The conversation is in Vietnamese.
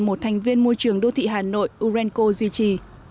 một thành viên môi trường đô thị hà nội urenco duy trì